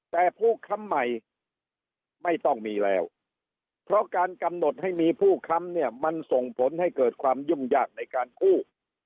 แต่ผู้ค้ำใหม่ไม่ต้องมีแล้วเพราะการกำหนดให้มีผู้ค้ำเนี่ยมันส่งผลให้เกิดความยุ่งยากในการกู้